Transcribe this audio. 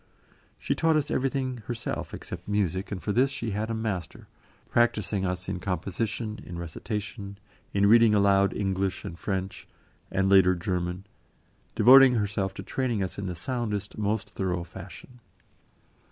She taught us everything herself except music, and for this she had a master, practising us in composition, in recitation, in reading aloud English and French, and later, German, devoting herself to training us in the soundest, most thorough fashion.